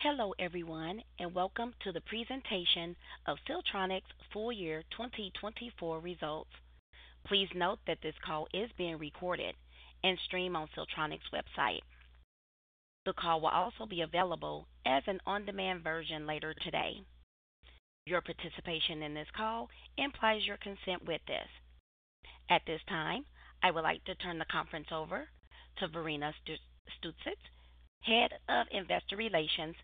Hello everyone, and welcome to the presentation of Siltronic's Full Year 2024 Results. Please note that this call is being recorded and streamed on Siltronic's website. The call will also be available as an on-demand version later today. Your participation in this call implies your consent with this. At this time, I would like to turn the conference over to Verena Stütze, Head of Investor Relations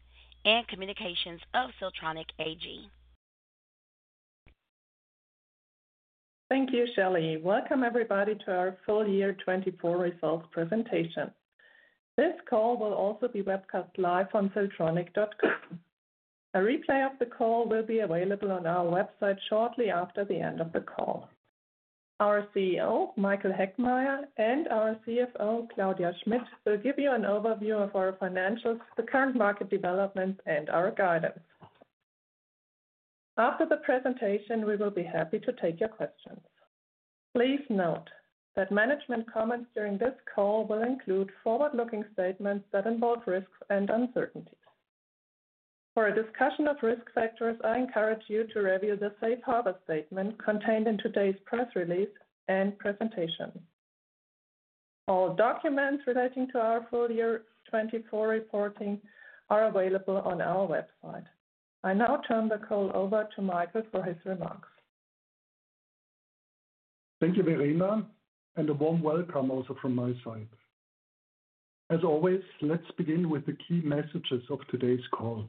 and Communications of Siltronic AG. Thank you, Shelley. Welcome everybody to our full year 2024 results presentation. This call will also be webcast live on siltronic.com. A replay of the call will be available on our website shortly after the end of the call. Our CEO, Michael Heckmeier, and our CFO, Claudia Schmitt, will give you an overview of our financials, the current market developments, and our guidance. After the presentation, we will be happy to take your questions. Please note that management comments during this call will include forward-looking statements that involve risks and uncertainties. For a discussion of risk factors, I encourage you to review the safe harbor statement contained in today's press release and presentation. All documents relating to our full year 2024 reporting are available on our website. I now turn the call over to Michael for his remarks. Thank you, Verena, and a warm welcome also from my side. As always, let's begin with the key messages of today's call.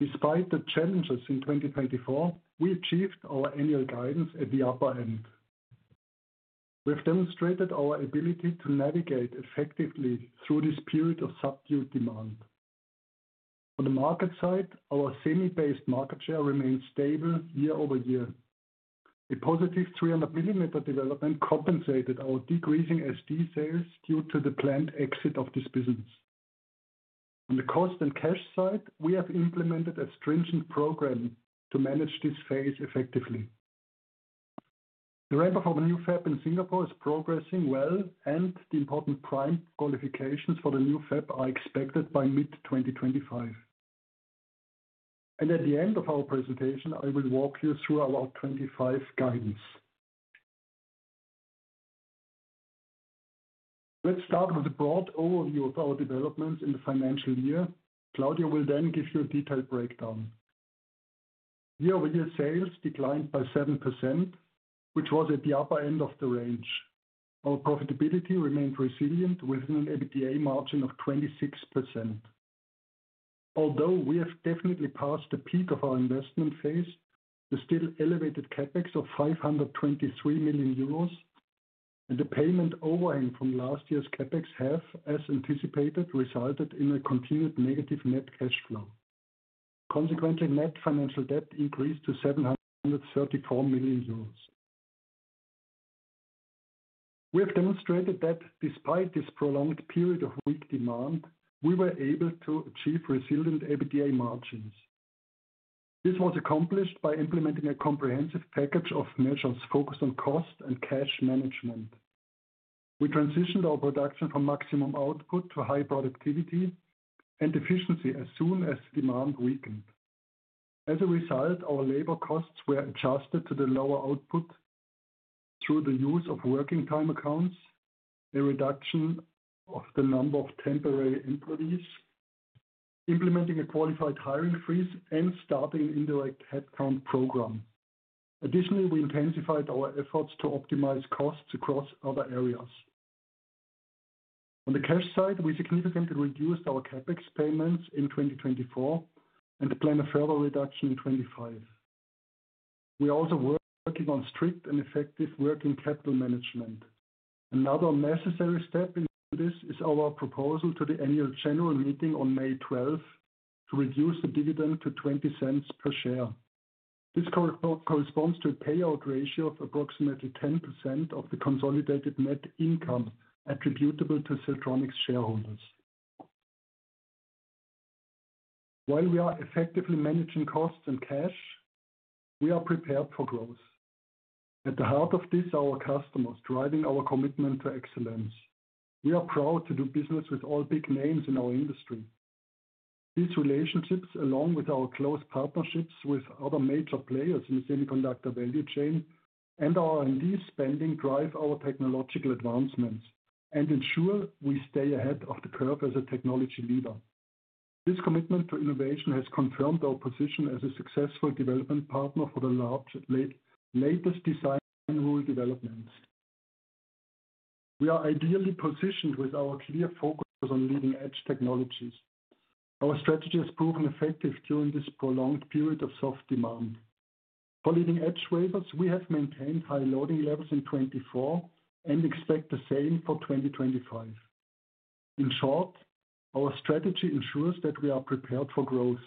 Despite the challenges in 2024, we achieved our annual guidance at the upper end. We have demonstrated our ability to navigate effectively through this period of subdued demand. On the market side, our semi-based market share remained stable year-over-year. A positive 300 mm development compensated our decreasing SD sales due to the planned exit of this business. On the cost and cash side, we have implemented a stringent program to manage this phase effectively. The ramp-up of a new FAB in Singapore is progressing well, and the important prime qualifications for the new FAB are expected by mid-2025. At the end of our presentation, I will walk you through our 2025 guidance. Let's start with a broad overview of our developments in the financial year. Claudia will then give you a detailed breakdown. Year-over-year sales declined by 7%, which was at the upper end of the range. Our profitability remained resilient with an EBITDA margin of 26%. Although we have definitely passed the peak of our investment phase, the still elevated CapEx of 523 million euros and the payment overhang from last year's CapEx have, as anticipated, resulted in a continued negative net cash flow. Consequently, net financial debt increased to 734 million euros. We have demonstrated that despite this prolonged period of weak demand, we were able to achieve resilient EBITDA margins. This was accomplished by implementing a comprehensive package of measures focused on cost and cash management. We transitioned our production from maximum output to high productivity and efficiency as soon as demand weakened. As a result, our labor costs were adjusted to the lower output through the use of working time accounts, a reduction of the number of temporary employees, implementing a qualified hiring freeze, and starting an indirect headcount program. Additionally, we intensified our efforts to optimize costs across other areas. On the cash side, we significantly reduced our CapEx payments in 2024 and plan a further reduction in 2025. We are also working on strict and effective working capital management. Another necessary step in this is our proposal to the annual general meeting on May 12th to reduce the dividend to 0.20 per share. This corresponds to a payout ratio of approximately 10% of the consolidated net income attributable to Siltronic's shareholders. While we are effectively managing costs and cash, we are prepared for growth. At the heart of this are our customers, driving our commitment to excellence. We are proud to do business with all big names in our industry. These relationships, along with our close partnerships with other major players in the semiconductor value chain and our R&D spending, drive our technological advancements and ensure we stay ahead of the curve as a technology leader. This commitment to innovation has confirmed our position as a successful development partner for the latest design rule developments. We are ideally positioned with our clear focus on leading-edge technologies. Our strategy has proven effective during this prolonged period of soft demand. For leading-edge wafers, we have maintained high loading levels in 2024 and expect the same for 2025. In short, our strategy ensures that we are prepared for growth,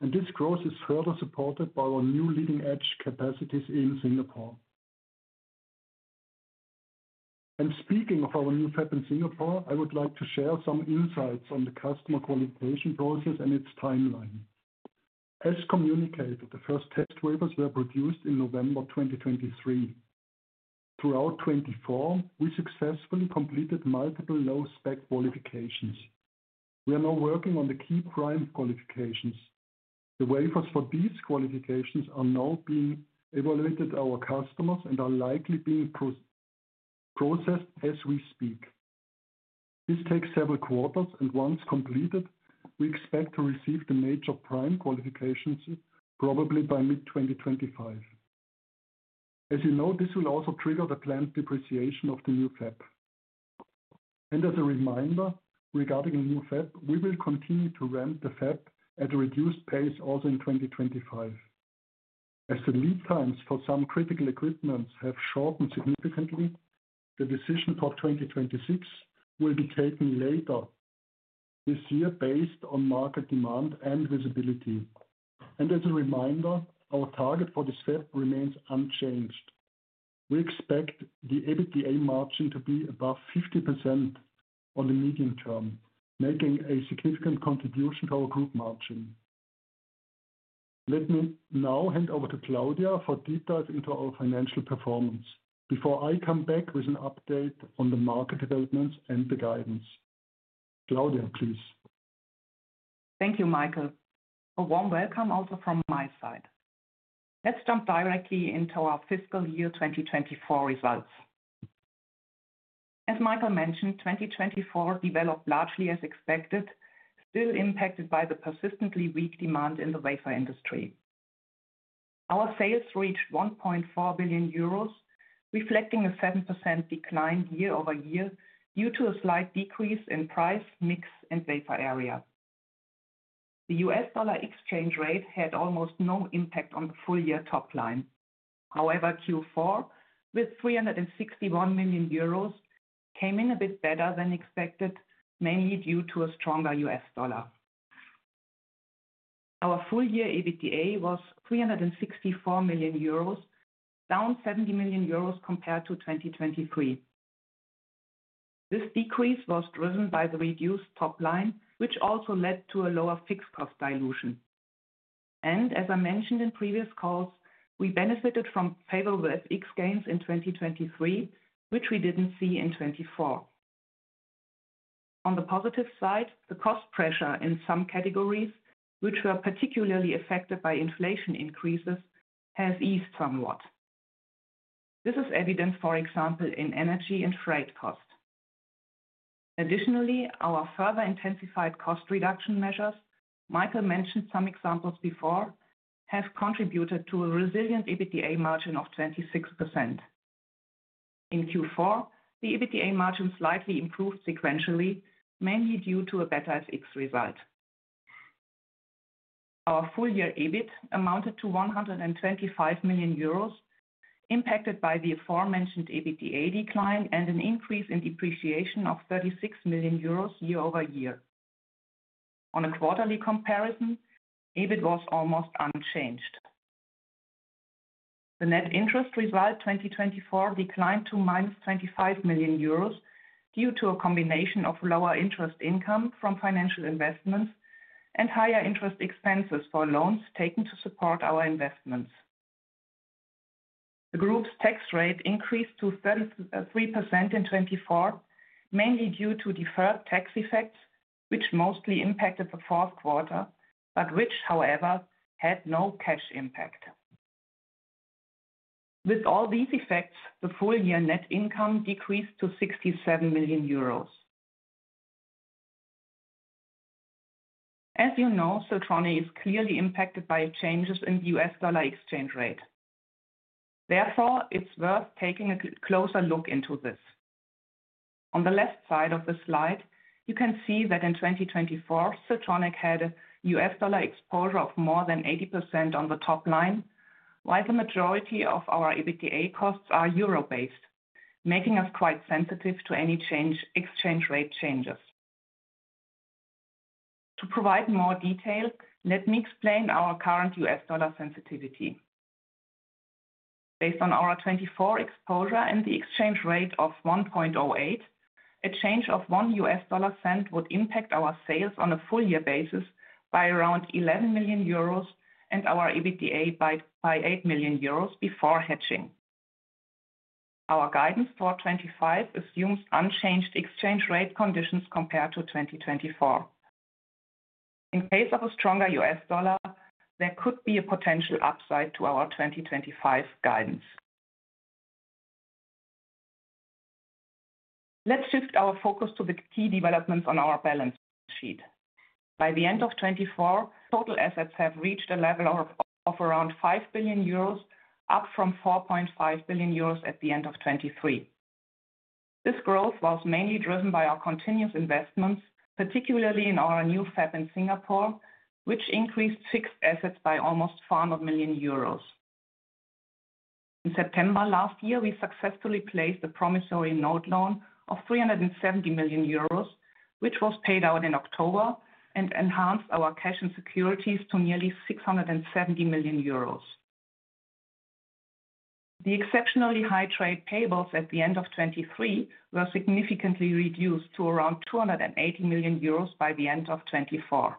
and this growth is further supported by our new leading-edge capacities in Singapore. Speaking of our new FAB in Singapore, I would like to share some insights on the customer qualification process and its timeline. As communicated, the first test wafers were produced in November 2023. Throughout 2024, we successfully completed multiple low-spec qualifications. We are now working on the key prime qualifications. The wafers for these qualifications are now being evaluated by our customers and are likely being processed as we speak. This takes several quarters, and once completed, we expect to receive the major prime qualifications probably by mid-2025. As you know, this will also trigger the planned depreciation of the new FAB. As a reminder regarding the new FAB, we will continue to ramp the FAB at a reduced pace also in 2025. As the lead times for some critical equipment have shortened significantly, the decision for 2026 will be taken later this year based on market demand and visibility. Our target for this FAB remains unchanged. We expect the EBITDA margin to be above 50% on the medium term, making a significant contribution to our group margin. Let me now hand over to Claudia for details into our financial performance before I come back with an update on the market developments and the guidance. Claudia, please. Thank you, Michael. A warm welcome also from my side. Let's jump directly into our fiscal year 2024 results. As Michael mentioned, 2024 developed largely as expected, still impacted by the persistently weak demand in the wafer industry. Our sales reached 1.4 billion euros, reflecting a 7% decline year-over-year due to a slight decrease in price, mix, and wafer area. The US dollar exchange rate had almost no impact on the full year top line. However, Q4 with 361 million euros came in a bit better than expected, mainly due to a stronger US dollar. Our full year EBITDA was 364 million euros, down 70 million euros compared to 2023. This decrease was driven by the reduced top line, which also led to a lower fixed cost dilution. As I mentioned in previous calls, we benefited from favorable FX gains in 2023, which we did not see in 2024. On the positive side, the cost pressure in some categories, which were particularly affected by inflation increases, has eased somewhat. This is evident, for example, in energy and freight cost. Additionally, our further intensified cost reduction measures, Michael mentioned some examples before, have contributed to a resilient EBITDA margin of 26%. In Q4, the EBITDA margin slightly improved sequentially, mainly due to a better FX result. Our full year EBIT amounted to 125 million euros, impacted by the aforementioned EBITDA decline and an increase in depreciation of 36 million euros year-over-year. On a quarterly comparison, EBIT was almost unchanged. The net interest result 2024 declined to 25 million euros due to a combination of lower interest income from financial investments and higher interest expenses for loans taken to support our investments. The group's tax rate increased to 33% in 2024, mainly due to deferred tax effects, which mostly impacted the fourth quarter, but which, however, had no cash impact. With all these effects, the full year net income decreased to 67 million euros. As you know, Siltronic is clearly impacted by changes in the US dollar exchange rate. Therefore, it's worth taking a closer look into this. On the left side of the slide, you can see that in 2024, Siltronic had a US dollar exposure of more than 80% on the top line, while the majority of our EBITDA costs are euro-based, making us quite sensitive to any exchange rate changes. To provide more detail, let me explain our current US dollar sensitivity. Based on our 2024 exposure and the exchange rate of 1.08, a change of one US dollar cent would impact our sales on a full year basis by around 11 million euros and our EBITDA by 8 million euros before hedging. Our guidance for 2025 assumes unchanged exchange rate conditions compared to 2024. In case of a stronger US dollar, there could be a potential upside to our 2025 guidance. Let's shift our focus to the key developments on our balance sheet. By the end of 2024, total assets have reached a level of around 5 billion euros, up from 4.5 billion euros at the end of 2023. This growth was mainly driven by our continuous investments, particularly in our new FAB in Singapore, which increased fixed assets by almost 400 million euros. In September last year, we successfully placed a promissory note loan of 370 million euros, which was paid out in October and enhanced our cash and securities to nearly 670 million euros. The exceptionally high trade payables at the end of 2023 were significantly reduced to around 280 million euros by the end of 2024.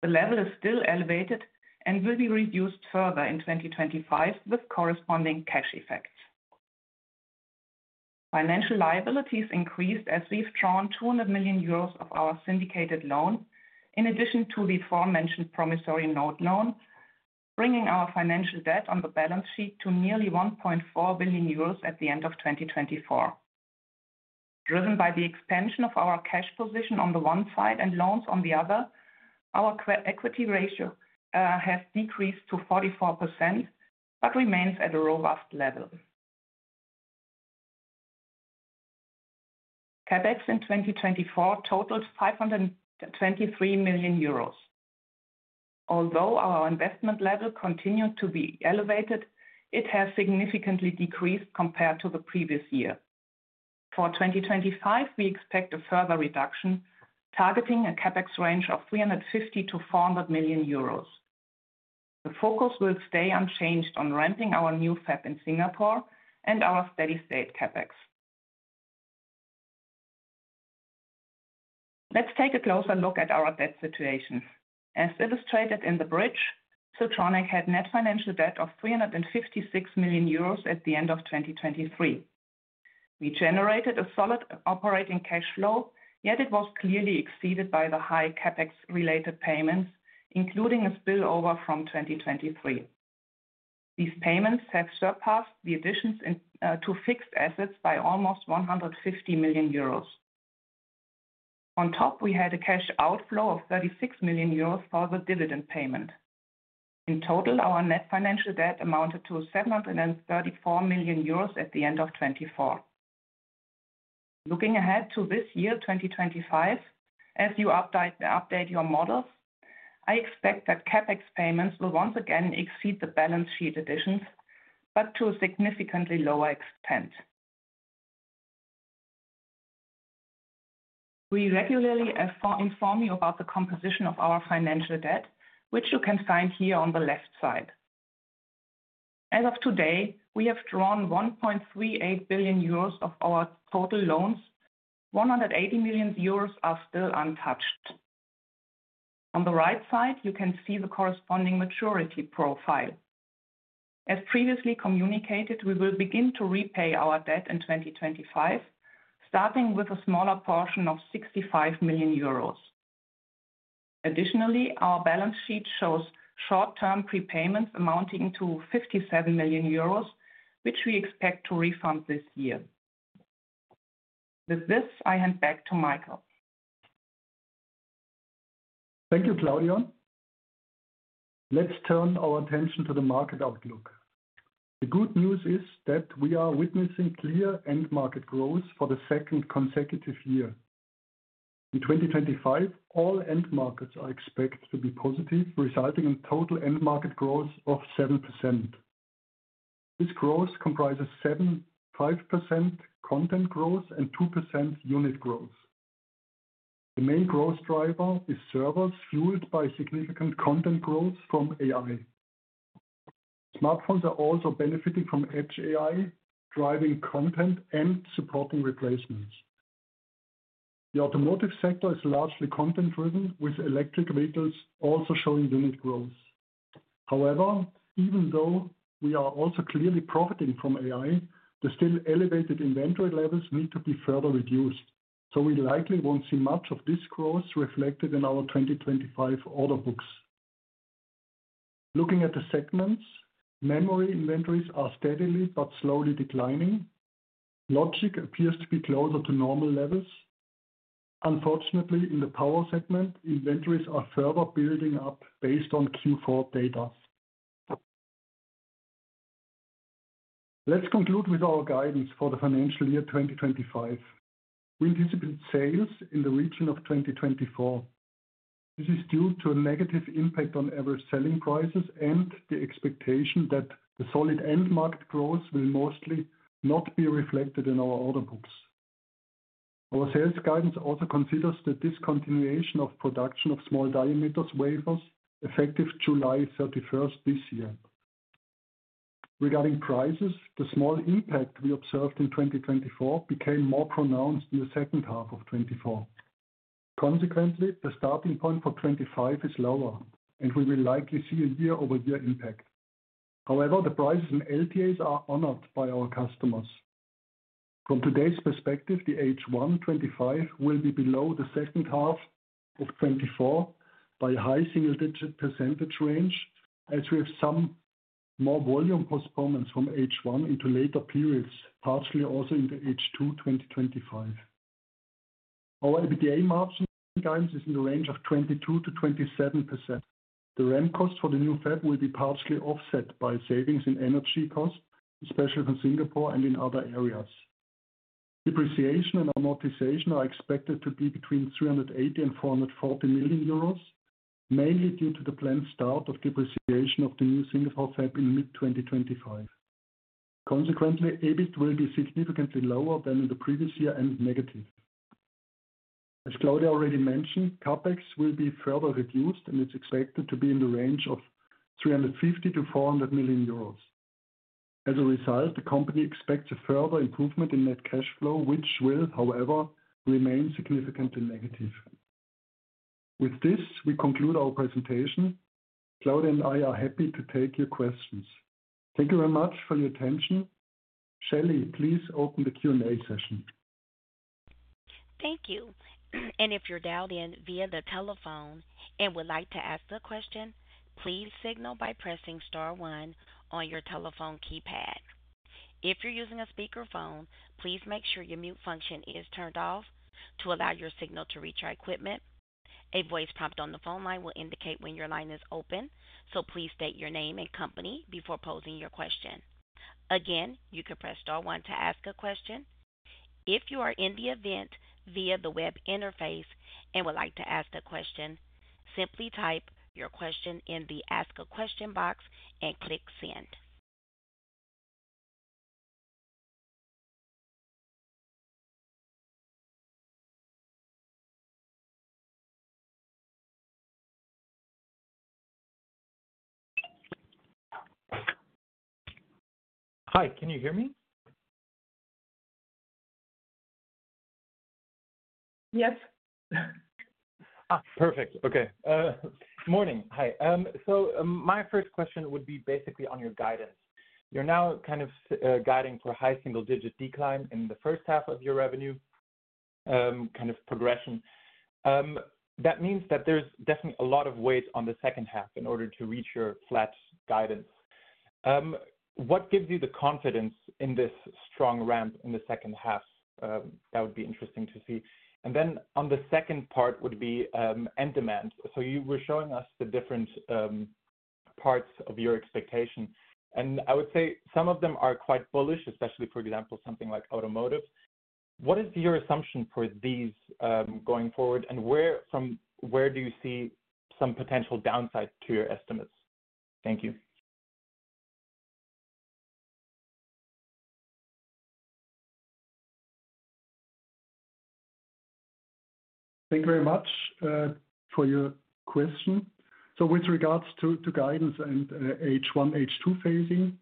The level is still elevated and will be reduced further in 2025 with corresponding cash effects. Financial liabilities increased as we've drawn 200 million euros of our syndicated loan, in addition to the aforementioned promissory note loan, bringing our financial debt on the balance sheet to nearly 1.4 billion euros at the end of 2024. Driven by the expansion of our cash position on the one side and loans on the other, our equity ratio has decreased to 44% but remains at a robust level. CapEx in 2024 totaled 523 million euros. Although our investment level continued to be elevated, it has significantly decreased compared to the previous year. For 2025, we expect a further reduction, targeting a CapEx range of 350 million-400 million euros. The focus will stay unchanged on ramping our new FAB in Singapore and our steady-state CapEx. Let's take a closer look at our debt situation. As illustrated in the bridge, Siltronic had net financial debt of 356 million euros at the end of 2023. We generated a solid operating cash flow, yet it was clearly exceeded by the high CapEx-related payments, including a spillover from 2023. These payments have surpassed the additions to fixed assets by almost 150 million euros. On top, we had a cash outflow of 36 million euros for the dividend payment. In total, our net financial debt amounted to 734 million euros at the end of 2024. Looking ahead to this year, 2025, as you update your models, I expect that CapEx payments will once again exceed the balance sheet additions, but to a significantly lower extent. We regularly inform you about the composition of our financial debt, which you can find here on the left side. As of today, we have drawn 1.38 billion euros of our total loans. 180 million euros are still untouched. On the right side, you can see the corresponding maturity profile. As previously communicated, we will begin to repay our debt in 2025, starting with a smaller portion of 65 million euros. Additionally, our balance sheet shows short-term prepayments amounting to 57 million euros, which we expect to refund this year. With this, I hand back to Michael. Thank you, Claudia. Let's turn our attention to the market outlook. The good news is that we are witnessing clear end market growth for the second consecutive year. In 2025, all end markets are expected to be positive, resulting in total end market growth of 7%. This growth comprises 7% content growth and 2% unit growth. The main growth driver is servers fueled by significant content growth from AI. Smartphones are also benefiting from edge AI, driving content and supporting replacements. The automotive sector is largely content-driven, with electric vehicles also showing unit growth. However, even though we are also clearly profiting from AI, the still elevated inventory levels need to be further reduced, so we likely won't see much of this growth reflected in our 2025 order books. Looking at the segments, memory inventories are steadily but slowly declining. Logic appears to be closer to normal levels. Unfortunately, in the power segment, inventories are further building up based on Q4 data. Let's conclude with our guidance for the financial year 2025. We anticipate sales in the region of 2024. This is due to a negative impact on average selling prices and the expectation that the solid end market growth will mostly not be reflected in our order books. Our sales guidance also considers the discontinuation of production of small diameter wafers effective July 31 this year. Regarding prices, the small impact we observed in 2024 became more pronounced in the second half of 2024. Consequently, the starting point for 2025 is lower, and we will likely see a year-over-year impact. However, the prices and LTAs are honored by our customers. From today's perspective, the H1/2025 will be below the second half of 2024 by a high single-digit % range, as we have some more volume postponements from H1 into later periods, partially also into H2/2025. Our EBITDA margin guidance is in the range of 22%-27%. The ramp cost for the new FAB will be partially offset by savings in energy cost, especially for Singapore and in other areas. Depreciation and amortization are expected to be between 380 million-440 million euros, mainly due to the planned start of depreciation of the new Singapore FAB in mid-2025. Consequently, EBIT will be significantly lower than in the previous year and negative. As Claudia already mentioned, CapEx will be further reduced, and it's expected to be in the range of 350 million-400 million euros. As a result, the company expects a further improvement in net cash flow, which will, however, remain significantly negative. With this, we conclude our presentation. Claudia and I are happy to take your questions. Thank you very much for your attention. Shelley, please open the Q&A session. Thank you. If you're dialed in via the telephone and would like to ask a question, please signal by pressing star one on your telephone keypad. If you're using a speakerphone, please make sure your mute function is turned off to allow your signal to reach our equipment. A voice prompt on the phone line will indicate when your line is open, so please state your name and company before posing your question. You can press star one to ask a question. If you are in the event via the web interface and would like to ask a question, simply type your question in the Ask a Question box and click Send. Hi, can you hear me? Yes. Perfect. Okay. Morning. Hi. My first question would be basically on your guidance. You're now kind of guiding for a high single-digit decline in the first half of your revenue kind of progression. That means that there's definitely a lot of weight on the second half in order to reach your flat guidance. What gives you the confidence in this strong ramp in the second half? That would be interesting to see. On the second part would be end demand. You were showing us the different parts of your expectation. I would say some of them are quite bullish, especially, for example, something like automotive. What is your assumption for these going forward, and where do you see some potential downside to your estimates? Thank you. Thank you very much for your question. With regards to guidance and H1/H2 phasing,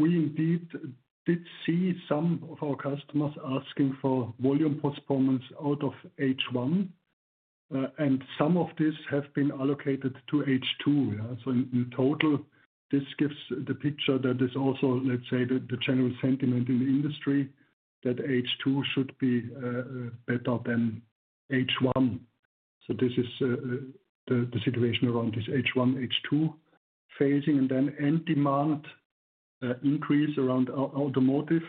we indeed did see some of our customers asking for volume postponements out of H1, and some of these have been allocated to H2. In total, this gives the picture that is also, let's say, the general sentiment in the industry that H2 should be better than H1. This is the situation around this H1/H2 phasing. End demand increase around automotive.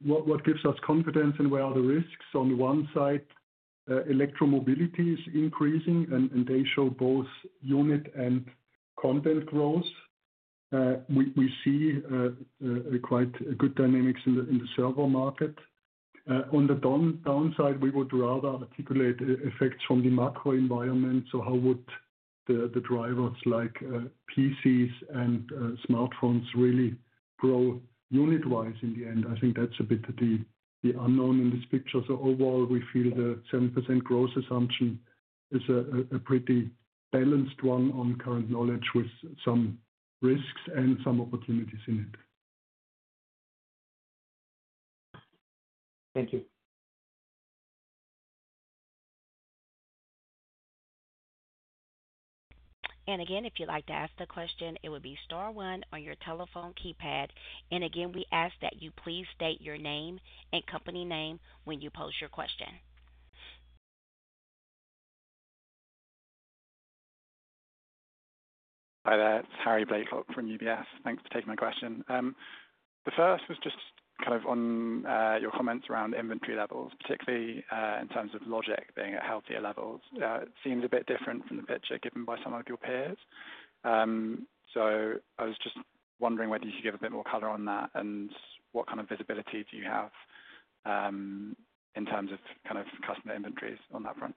What gives us confidence and where are the risks? On the one side, electromobility is increasing, and they show both unit and content growth. We see quite good dynamics in the server market. On the downside, we would rather articulate effects from the macro environment. How would the drivers like PCs and smartphones really grow unit-wise in the end? I think that's a bit of the unknown in this picture. Overall, we feel the 7% growth assumption is a pretty balanced one on current knowledge, with some risks and some opportunities in it. Thank you. If you'd like to ask the question, it would be star one on your telephone keypad. We ask that you please state your name and company name when you post your question. Hi, there. Harry Blaiklock from UBS. Thanks for taking my question. The first was just kind of on your comments around inventory levels, particularly in terms of Logic being at healthier levels. It seems a bit different from the picture given by some of your peers. I was just wondering whether you could give a bit more color on that and what kind of visibility do you have in terms of kind of customer inventories on that front?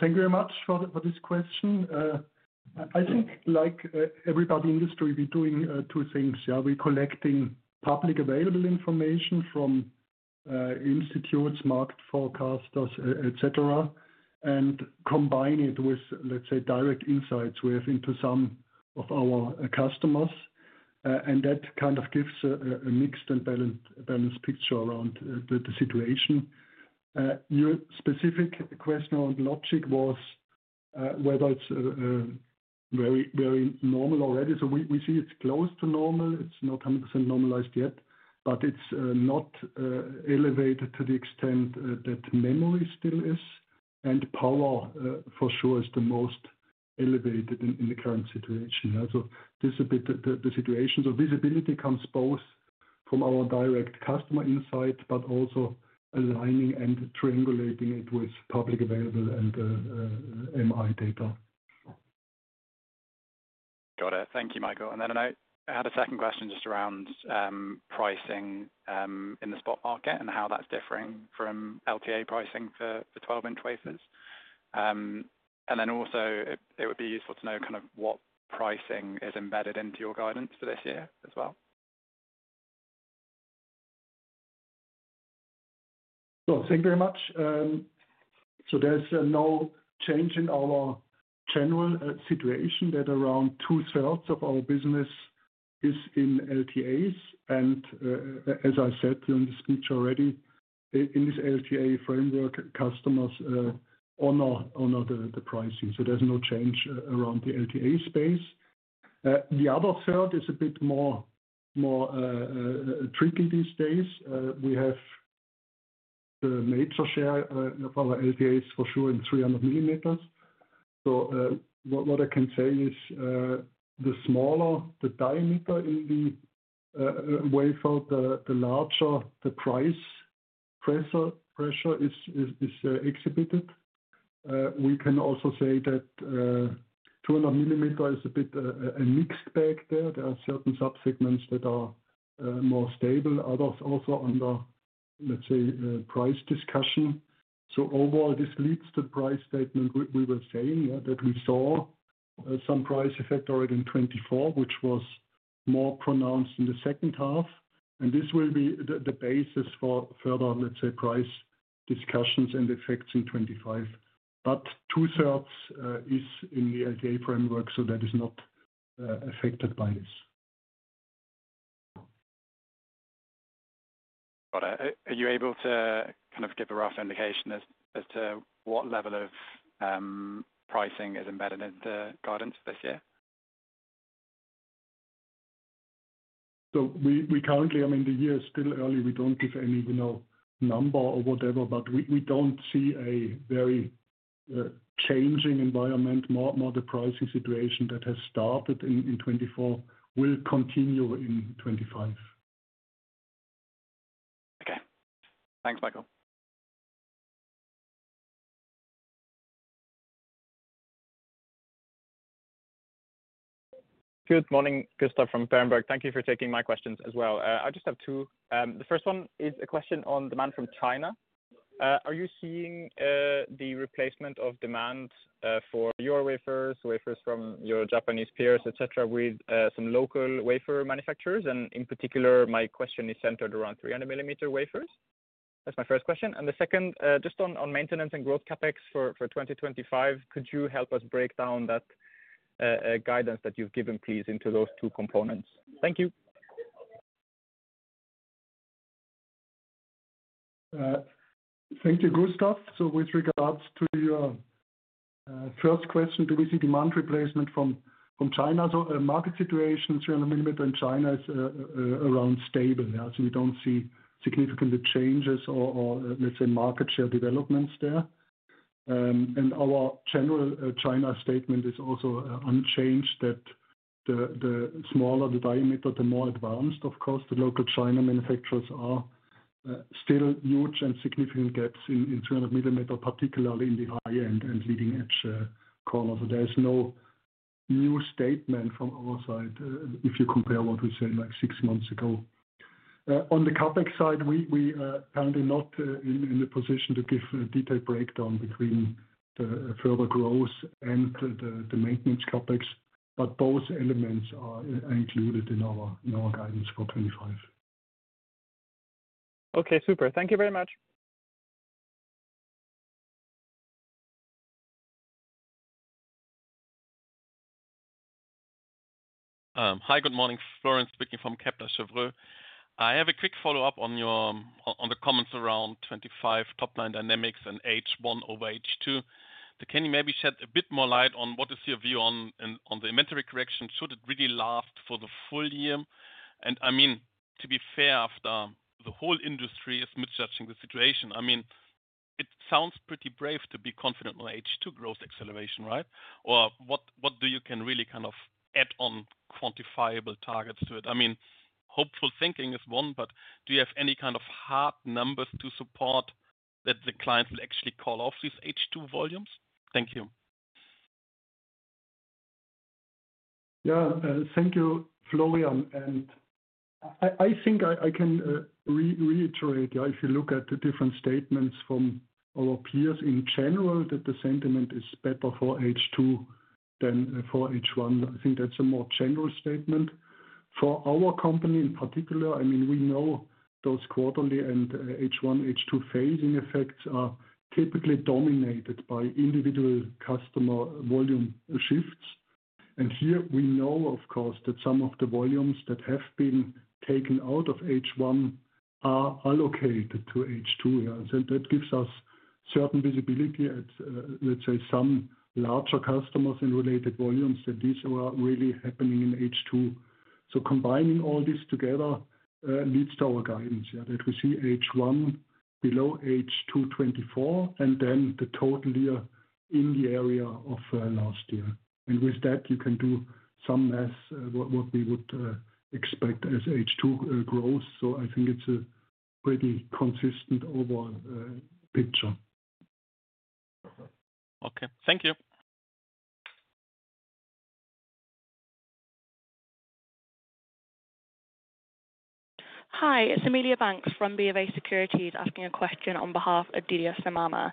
Thank you very much for this question. I think, like everybody in the industry, we're doing two things. We're collecting publicly available information from institutes, market forecasters, etc., and combine it with, let's say, direct insights we have into some of our customers. That kind of gives a mixed and balanced picture around the situation. Your specific question on Logic was whether it's very normal already. We see it's close to normal. It's not 100% normalized yet, but it's not elevated to the extent that memory still is. Power, for sure, is the most elevated in the current situation. This is a bit the situation. Visibility comes both from our direct customer insight, but also aligning and triangulating it with publicly available and MI data. Got it. Thank you, Michael. I had a second question just around pricing in the spot market and how that's differing from LTA pricing for 12-inch wafers. It would be useful to know kind of what pricing is embedded into your guidance for this year as well. Thank you very much. There is no change in our general situation that around two-thirds of our business is in LTAs. As I said during the speech already, in this LTA framework, customers honor the pricing. There is no change around the LTA space. The other third is a bit more tricky these days. We have the major share of our LTAs, for sure, in 300 mm. What I can say is the smaller the diameter in the wafer, the larger the price pressure is exhibited. We can also say that 200 mm is a bit a mixed bag there. There are certain subsegments that are more stable. Others also under, let's say, price discussion. Overall, this leads to the price statement we were saying that we saw some price effect already in 2024, which was more pronounced in the second half. This will be the basis for further, let's say, price discussions and effects in 2025. Two-thirds is in the LTA framework, so that is not affected by this. Got it. Are you able to kind of give a rough indication as to what level of pricing is embedded in the guidance this year? We currently, I mean, the year is still early. We do not give any number or whatever, but we do not see a very changing environment. Model pricing situation that has started in 2024 will continue in 2025. Okay. Thanks, Michael. Good morning, Gustav from Berenberg. Thank you for taking my questions as well. I just have two. The first one is a question on demand from China. Are you seeing the replacement of demand for your wafers, wafers from your Japanese peers, etc., with some local wafer manufacturers? In particular, my question is centered around 300 mm wafers. That is my first question. The second, just on maintenance and growth CapEx for 2025, could you help us break down that guidance that you have given, please, into those two components? Thank you. Thank you, Gustav. With regards to your first question, do we see demand replacement from China? Market situation, 300 mm in China is around stable. We do not see significant changes or, let's say, market share developments there. Our general China statement is also unchanged that the smaller the diameter, the more advanced, of course, the local China manufacturers are. Still huge and significant gaps in 300 mm, particularly in the high-end and leading-edge corners. There is no new statement from our side if you compare what we said like six months ago. On the CapEx side, we are currently not in a position to give a detailed breakdown between the further growth and the maintenance CapEx, but both elements are included in our guidance for 2025. Okay, super. Thank you very much. Hi, good morning, Florian speaking from Kepler Cheuvreux. I have a quick follow-up on the comments around 2025 top-line dynamics and H1 over H2. Can you maybe shed a bit more light on what is your view on the inventory correction? Should it really last for the full year? I mean, to be fair, after the whole industry is misjudging the situation, it sounds pretty brave to be confident on H2 growth acceleration, right? What do you can really kind of add on quantifiable targets to it? I mean, hopeful thinking is one, but do you have any kind of hard numbers to support that the clients will actually call off these H2 volumes? Thank you. Yeah, thank you, Florian. I think I can reiterate, if you look at the different statements from our peers in general, that the sentiment is better for H2 than for H1. I think that's a more general statement. For our company in particular, I mean, we know those quarterly and H1/H2 phasing effects are typically dominated by individual customer volume shifts. Here we know, of course, that some of the volumes that have been taken out of H1 are allocated to H2. That gives us certain visibility at, let's say, some larger customers and related volumes that these are really happening in H2. Combining all this together leads to our guidance that we see H1 below H2 2024, and then the total year in the area of last year. With that, you can do some maths what we would expect as H2 grows. I think it's a pretty consistent overall picture. Okay, thank you. Hi, it's Amelia Banks from BofA Securities asking a question on behalf of Didier Scemama.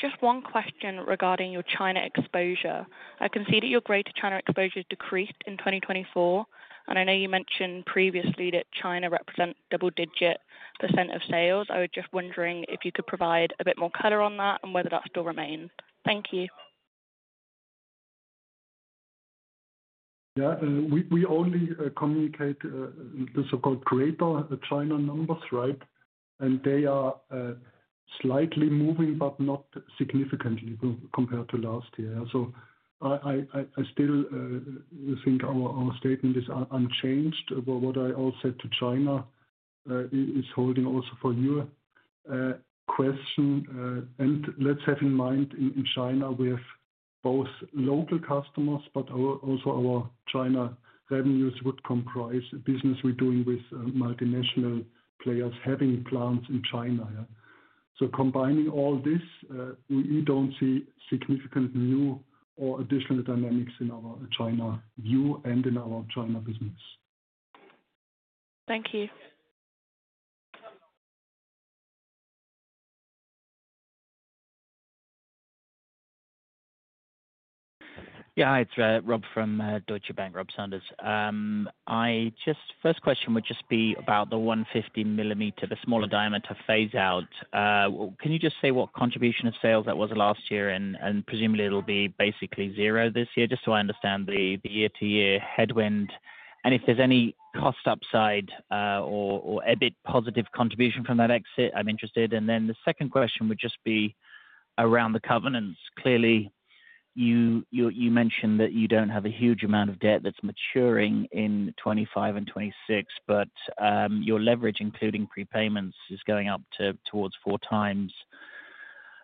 Just one question regarding your China exposure. I can see that your greater China exposure decreased in 2024. I know you mentioned previously that China represents double-digit % of sales. I was just wondering if you could provide a bit more color on that and whether that still remains. Thank you. Yeah, we only communicate the so-called greater China numbers, right? They are slightly moving, but not significantly compared to last year. I still think our statement is unchanged. What I also said to China is holding also for your question. Let's have in mind in China, we have both local customers, but also our China revenues would comprise a business we're doing with multinational players having plants in China. Combining all this, we do not see significant new or additional dynamics in our China view and in our China business. Thank you. Yeah, it's Rob from Deutsche Bank, Rob Sanders. My first question would just be about the 150 mm, the smaller diameter phase-out. Can you just say what contribution of sales that was last year? Presumably, it'll be basically zero this year, just so I understand the year-to-year headwind. If there's any cost upside or a bit positive contribution from that exit, I'm interested. The second question would just be around the covenants. Clearly, you mentioned that you don't have a huge amount of debt that's maturing in 2025 and 2026, but your leverage, including prepayments, is going up towards four times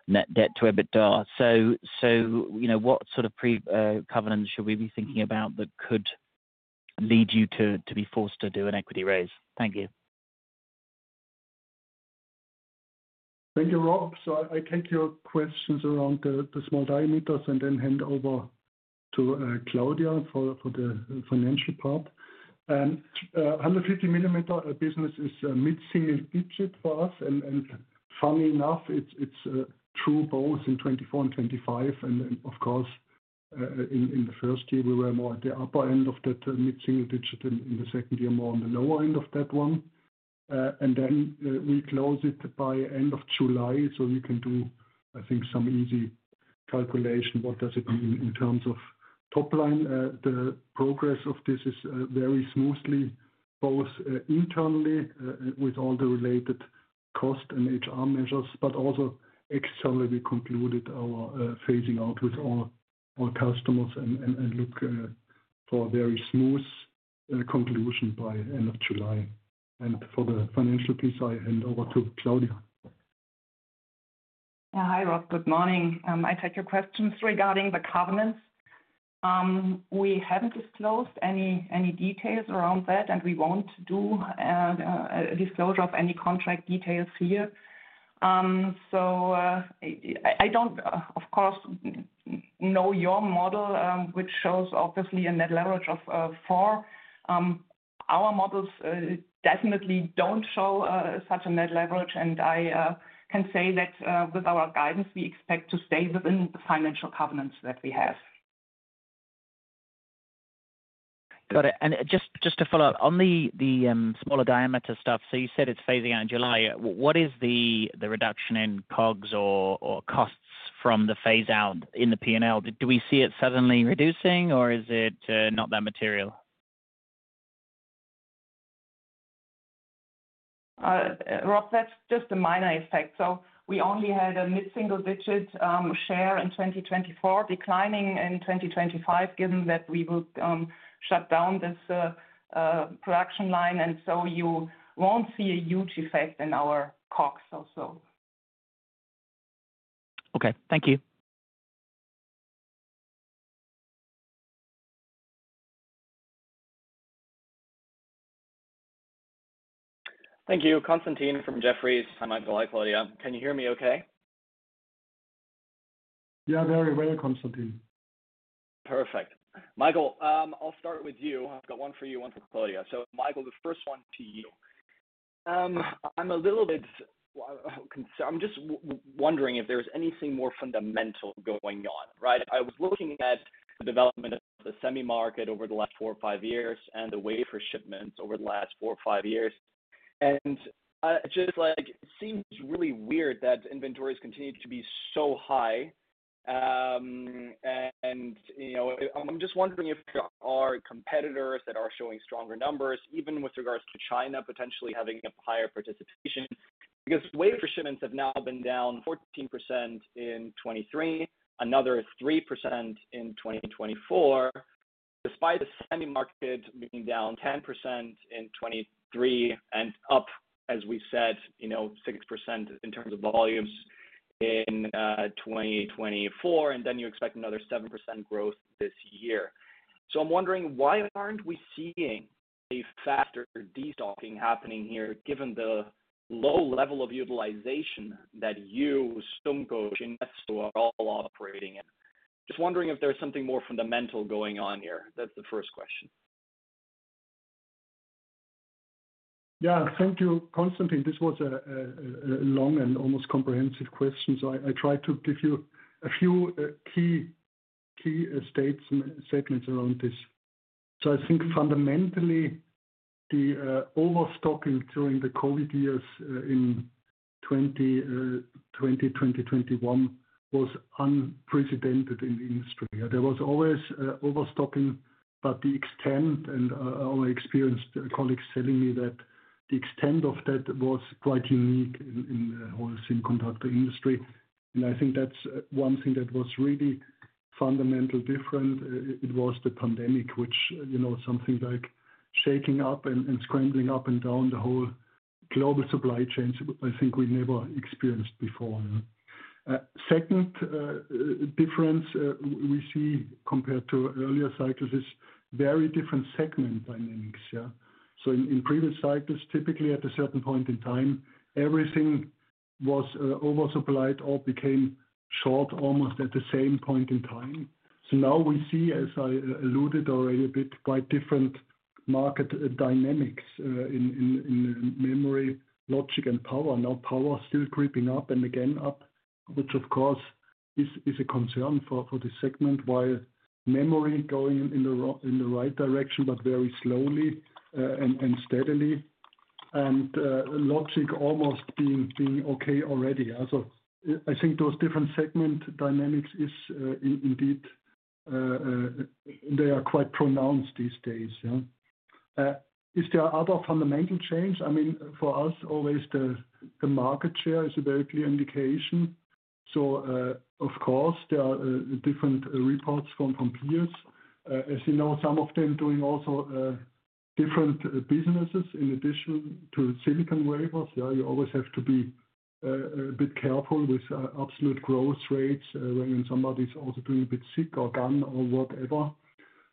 net debt to EBITDA. What sort of covenants should we be thinking about that could lead you to be forced to do an equity raise? Thank you. Thank you, Rob. I take your questions around the small diameters and then hand over to Claudia for the financial part. The 150 mm business is mid-single digit for us. Funny enough, it is true both in 2024 and 2025. In the first year, we were more at the upper end of that mid-single digit, and in the second year, more on the lower end of that one. We close it by end of July. You can do, I think, some easy calculation. What does it mean in terms of top-line? The progress of this is very smooth, both internally with all the related cost and HR measures, but also externally, we concluded our phasing out with all customers and look for a very smooth conclusion by end of July. For the financial piece, I hand over to Claudia. Hi, Rob. Good morning. I take your questions regarding the covenants. We haven't disclosed any details around that, and we won't do a disclosure of any contract details here. I don't, of course, know your model, which shows obviously a net leverage of four. Our models definitely don't show such a net leverage. I can say that with our guidance, we expect to stay within the financial covenants that we have. Got it. Just to follow up on the smaller diameter stuff, you said it's phasing out in July. What is the reduction in COGS or costs from the phase-out in the P&L? Do we see it suddenly reducing, or is it not that material? Rob, that's just a minor effect. We only had a mid-single digit share in 2024, declining in 2025, given that we will shut down this production line. You won't see a huge effect in our COGS also. Okay, thank you. Thank you. Constantin from Jefferies, hi Michael, hi Claudia. Can you hear me okay? Yeah, very well, Constantin. Perfect. Michael, I'll start with you. I've got one for you, one for Claudia. Michael, the first one to you. I'm a little bit concerned. I'm just wondering if there's anything more fundamental going on, right? I was looking at the development of the semi market over the last four or five years and the wafer shipments over the last four or five years. It seems really weird that inventories continue to be so high. I'm just wondering if there are competitors that are showing stronger numbers, even with regards to China potentially having a higher participation, because wafer shipments have now been down 14% in 2023, another 3% in 2024, despite the semi market being down 10% in 2023 and up, as we said, 6% in terms of volumes in 2024, and then you expect another 7% growth this year. I'm wondering, why aren't we seeing a faster de-stocking happening here, given the low level of utilization that you, SUMCO, Shin-Etsu Chemical are all operating in? Just wondering if there's something more fundamental going on here. That's the first question. Yeah, thank you, Constantin. This was a long and almost comprehensive question. I tried to give you a few key statements around this. I think fundamentally, the overstocking during the COVID years in 2020, 2021 was unprecedented in the industry. There was always overstocking, but the extent, and I experienced colleagues telling me that the extent of that was quite unique in the whole semiconductor industry. I think that is one thing that was really fundamentally different. It was the pandemic, which was something like shaking up and scrambling up and down the whole global supply chains, I think we never experienced before. The second difference we see compared to earlier cycles is very different segment dynamics. In previous cycles, typically at a certain point in time, everything was oversupplied or became short almost at the same point in time. Now we see, as I alluded already a bit, quite different market dynamics in memory, logic, and power. Power is still creeping up and again up, which of course is a concern for the segment, while memory is going in the right direction, but very slowly and steadily, and logic is almost being okay already. I think those different segment dynamics is indeed, they are quite pronounced these days. Is there other fundamental change? I mean, for us, always the market share is a very clear indication. Of course, there are different reports from peers. As you know, some of them are doing also different businesses in addition to silicon wafers. You always have to be a bit careful with absolute growth rates when somebody is also doing a bit sick or done or whatever.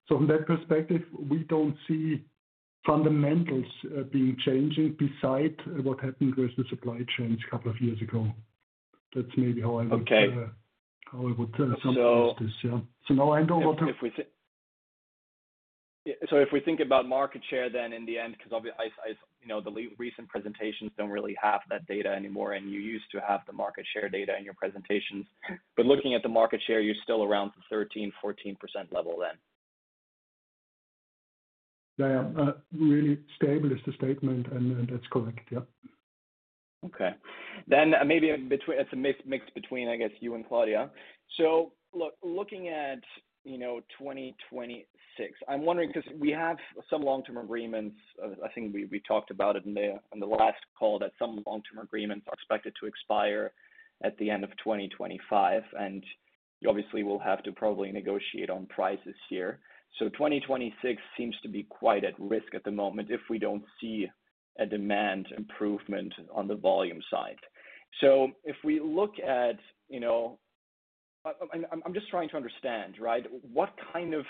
From that perspective, we don't see fundamentals being changing beside what happened with the supply chains a couple of years ago. That's maybe how I would summarize this. Now I know what. If we think about market share then in the end, because the recent presentations do not really have that data anymore, and you used to have the market share data in your presentations. Looking at the market share, you are still around the 13%-14% level then. Yeah, really stable is the statement, and that's correct. Yeah. Okay. Maybe it's a mix between, I guess, you and Claudia. Looking at 2026, I'm wondering because we have some long-term agreements. I think we talked about it in the last call that some long-term agreements are expected to expire at the end of 2025. Obviously, we'll have to probably negotiate on prices here. 2026 seems to be quite at risk at the moment if we do not see a demand improvement on the volume side. If we look at, I'm just trying to understand, right, what kind of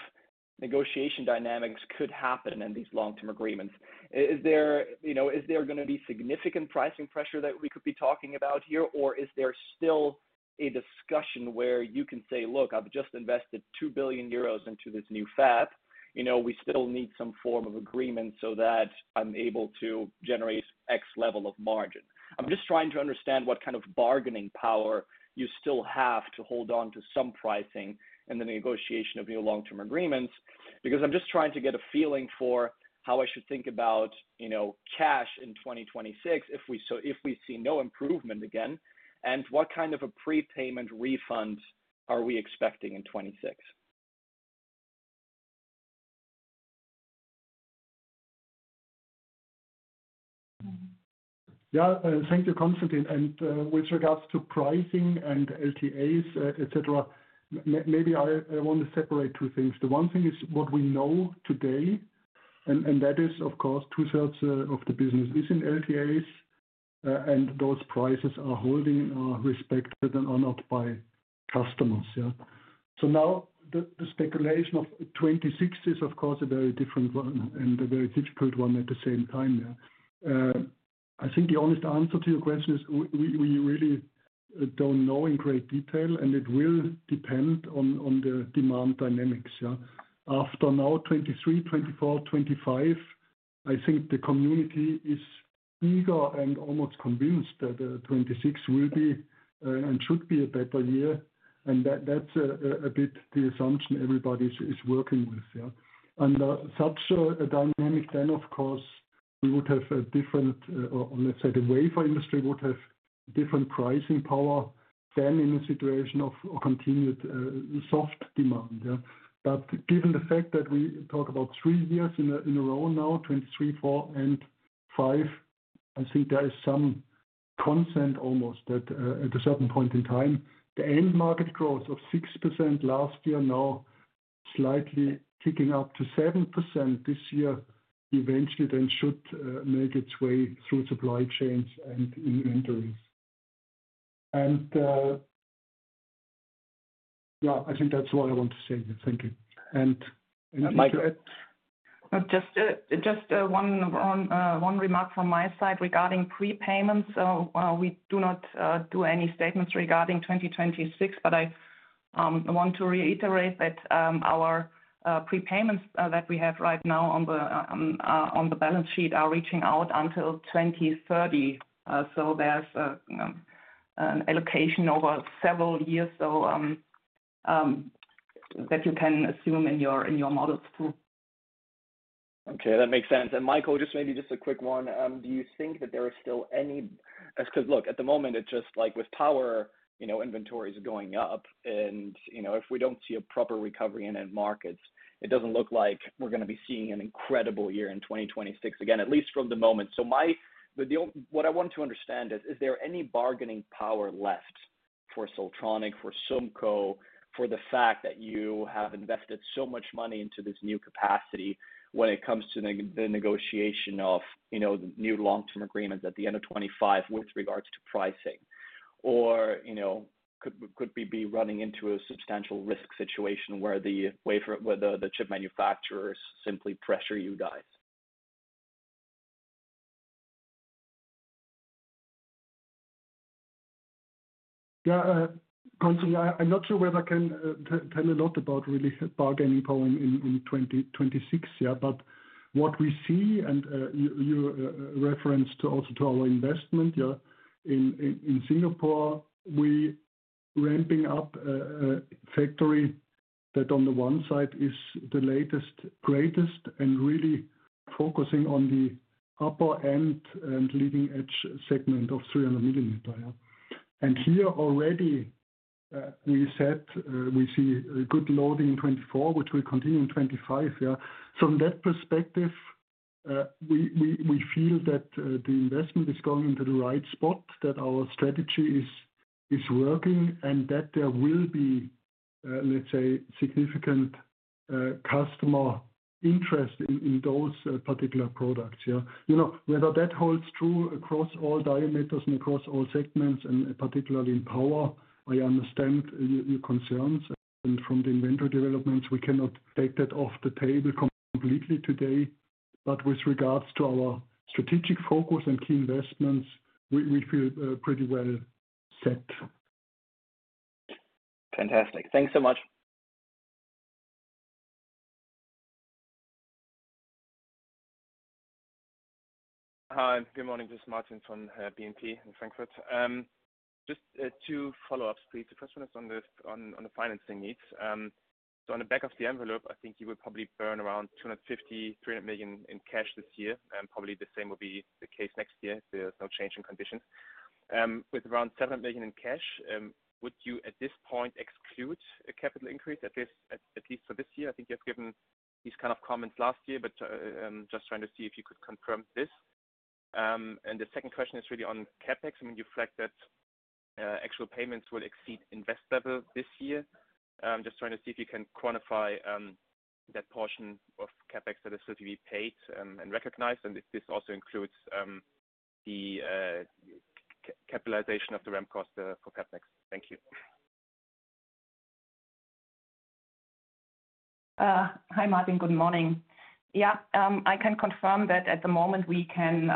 negotiation dynamics could happen in these long-term agreements? Is there going to be significant pricing pressure that we could be talking about here, or is there still a discussion where you can say, "Look, I've just invested 2 billion euros into this new fab. We still need some form of agreement so that I'm able to generate X level of margin? I'm just trying to understand what kind of bargaining power you still have to hold on to some pricing in the negotiation of new long-term agreements, because I'm just trying to get a feeling for how I should think about cash in 2026 if we see no improvement again. What kind of a prepayment refund are we expecting in 2026? Yeah, thank you, Constantin. With regards to pricing and LTAs, etc., maybe I want to separate two things. The one thing is what we know today, and that is, of course, two-thirds of the business is in LTAs, and those prices are holding, respected, and honored by customers. Now, the speculation of 2026 is, of course, a very different one and a very difficult one at the same time. I think the honest answer to your question is we really do not know in great detail, and it will depend on the demand dynamics. After now 2023, 2024, 2025, I think the community is eager and almost convinced that 2026 will be and should be a better year. That is a bit the assumption everybody is working with. Such a dynamic then, of course, we would have a different, or let's say the wafer industry would have different pricing power than in a situation of continued soft demand. Given the fact that we talk about three years in a row now, 2023, 2024, and 2025, I think there is some consent almost that at a certain point in time, the end market growth of 6% last year now slightly kicking up to 7% this year eventually then should make its way through supply chains and inventories. I think that's what I want to say. Thank you. Just one remark from my side regarding prepayments. We do not do any statements regarding 2026, but I want to reiterate that our prepayments that we have right now on the balance sheet are reaching out until 2030. There is an allocation over several years that you can assume in your models too. Okay, that makes sense. Michael, just maybe just a quick one. Do you think that there are still any? Because look, at the moment, it's just like with power, inventory is going up. If we don't see a proper recovery in end markets, it doesn't look like we're going to be seeing an incredible year in 2026 again, at least from the moment. What I want to understand is, is there any bargaining power left for Siltronic, for SUMCO, for the fact that you have invested so much money into this new capacity when it comes to the negotiation of new long-term agreements at the end of 2025 with regards to pricing? Could we be running into a substantial risk situation where the chip manufacturers simply pressure you guys? Yeah, Constantin, I'm not sure whether I can tell a lot about really bargaining power in 2026. What we see, and you reference also to our investment in Singapore, we are ramping up a factory that on the one side is the latest, greatest, and really focusing on the upper end and leading-edge segment of 300 mm. Here already, we said we see good loading in 2024, which will continue in 2025. From that perspective, we feel that the investment is going into the right spot, that our strategy is working, and that there will be, let's say, significant customer interest in those particular products. Whether that holds true across all diameters and across all segments, and particularly in power, I understand your concerns. From the inventory developments, we cannot take that off the table completely today. With regards to our strategic focus and key investments, we feel pretty well set. Fantastic. Thanks so much. Hi, good morning. This is Martin from BNP in Frankfurt. Just two follow-ups, please. The question is on the financing needs. On the back of the envelope, I think you will probably burn around 250 million-300 million in cash this year. Probably the same will be the case next year if there is no change in conditions. With around 700 million in cash, would you at this point exclude a capital increase, at least for this year? I think you have given these kind of comments last year, just trying to see if you could confirm this. The second question is really on CapEx. I mean, you flagged that actual payments will exceed invest level this year. I'm just trying to see if you can quantify that portion of CapEx that is supposed to be paid and recognized, and if this also includes the capitalization of the REM cost for CapEx. Thank you. Hi, Martin. Good morning. Yeah, I can confirm that at the moment we can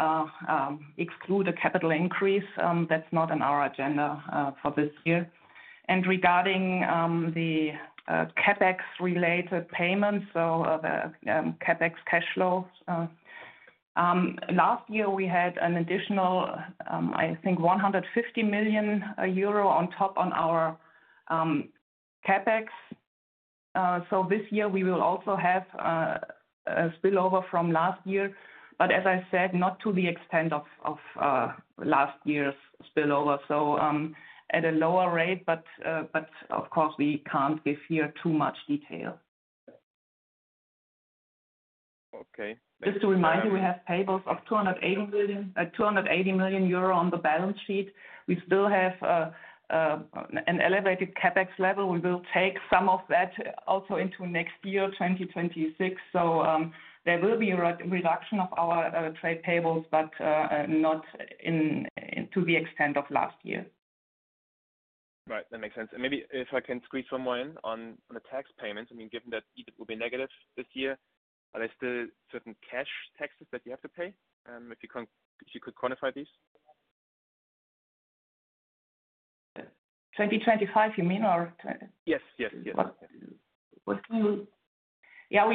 exclude a capital increase. That's not on our agenda for this year. Regarding the CapEx-related payments, the CapEx cash flows, last year we had an additional 150 million euro on top on our CapEx. This year we will also have a spillover from last year, but as I said, not to the extent of last year's spillover. At a lower rate, but of course, we can't give here too much detail. Okay. Just to remind you, we have 280 million euro on the balance sheet. We still have an elevated CapEx level. We will take some of that also into next year, 2026. There will be a reduction of our trade tables, but not to the extent of last year. Right. That makes sense. Maybe if I can squeeze some more in on the tax payments, I mean, given that it will be negative this year, are there still certain cash taxes that you have to pay? If you could quantify these. 2025, you mean, or? Yes, yes, yes. Yeah,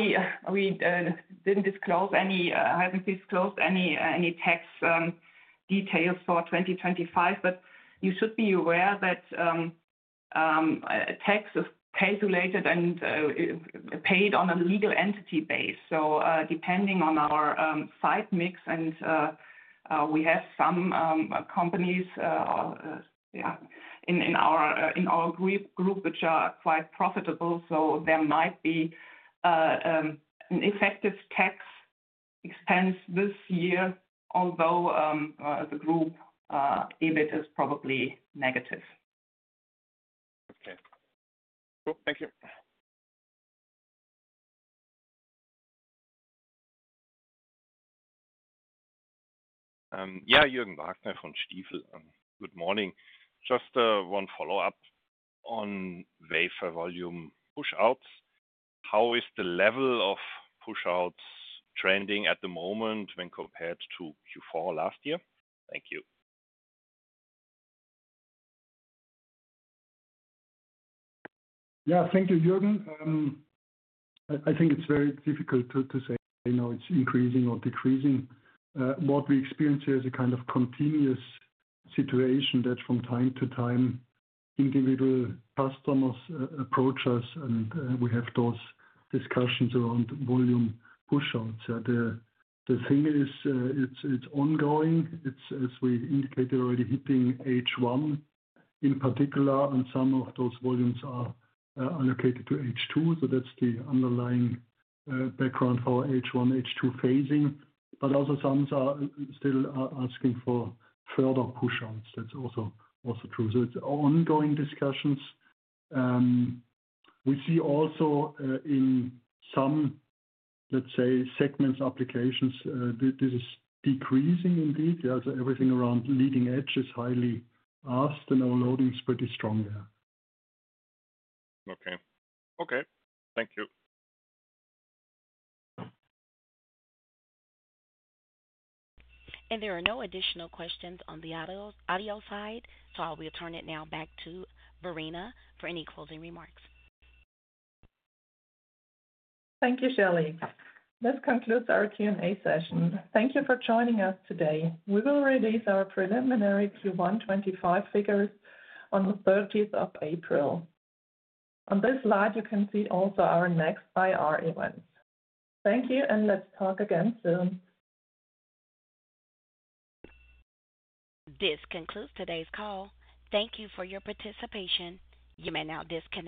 we did not disclose any, I have not disclosed any tax details for 2025. You should be aware that tax is calculated and paid on a legal entity base. Depending on our site mix, and we have some companies in our group which are quite profitable, there might be an effective tax expense this year, although the group EBIT is probably negative. Okay. Cool. Thank you. Yeah, Jürgen Wagner from Stiefel. Good morning. Just one follow-up on wafer volume push-outs. How is the level of push-outs trending at the moment when compared to Q4 last year? Thank you. Yeah, thank you, Jürgen. I think it's very difficult to say it's increasing or decreasing. What we experience here is a kind of continuous situation that from time to time, individual customers approach us, and we have those discussions around volume push-outs. The thing is, it's ongoing. It's, as we indicated already, hitting H1 in particular, and some of those volumes are allocated to H2. That is the underlying background for H1, H2 phasing. Also, some are still asking for further push-outs. That is also true. It's ongoing discussions. We see also in some, let's say, segments, applications, this is decreasing indeed. Everything around leading edge is highly asked, and our loading is pretty strong there. Okay. Okay. Thank you. There are no additional questions on the audio side, so I'll return it now back to Verena for any closing remarks. Thank you, Shelly. This concludes our Q&A session. Thank you for joining us today. We will release our preliminary Q1 2025 figures on the 30th of April. On this slide, you can see also our next IR events. Thank you, and let's talk again soon. This concludes today's call. Thank you for your participation. You may now disconnect.